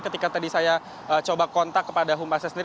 ketika tadi saya coba kontak kepada humasnya sendiri